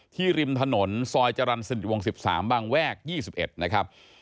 ริมถนนซอยจรรย์สนิทวงศ๑๓บางแวก๒๑นะครับ